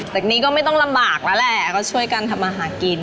แต่นี่ก็ไม่ต้องลำบากแล้วแหละก็ช่วยกันทำมาหากิน